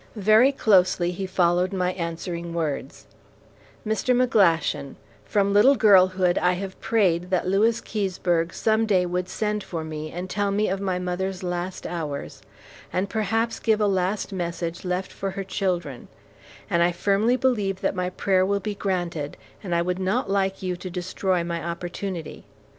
Very closely he followed my answering words, "Mr. McGlashan, from little girlhood I have prayed that Lewis Keseberg some day would send for me and tell me of my mother's last hours, and perhaps give a last message left for her children, and I firmly believe that my prayer will be granted, and I would not like you to destroy my opportunity.